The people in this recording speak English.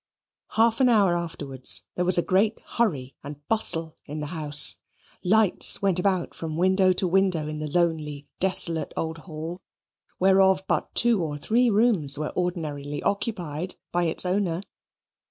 Half an hour afterwards there was a great hurry and bustle in the house. Lights went about from window to window in the lonely desolate old Hall, whereof but two or three rooms were ordinarily occupied by its owner.